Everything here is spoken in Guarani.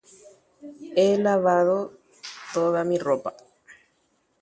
Ajoheipáma che ao.